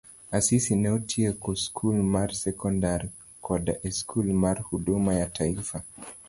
Asisi ne otieko skul mar sekondari koda e skul mar Huduma ya Taifa